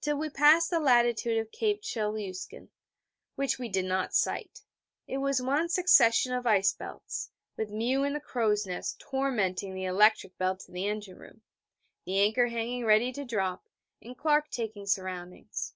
Till we passed the latitude of Cape Chelyuskin (which we did not sight), it was one succession of ice belts, with Mew in the crow's nest tormenting the electric bell to the engine room, the anchor hanging ready to drop, and Clark taking soundings.